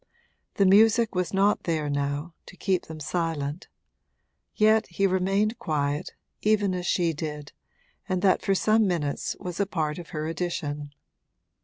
The music was not there now, to keep them silent; yet he remained quiet, even as she did, and that for some minutes was a part of her addition.